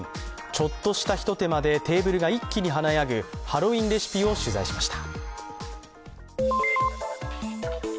ちょっとしたひと手間でテーブルが一気に華やぐハロウィーンレシピを取材しました。